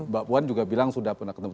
mbak puan juga bilang sudah pernah ketemu